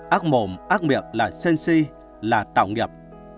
ác mộm ác miệng là sensi là tạo nghiệp